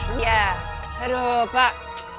iya aduh pak